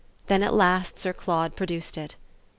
Then at last Sir Claude produced it.